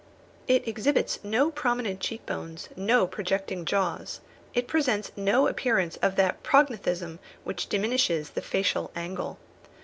It exhibits no prominent cheekbones, no projecting jaws. It presents no appearance of that prognathism which diminishes the facial angle.